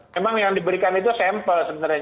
memang yang diberikan itu sampel sebenarnya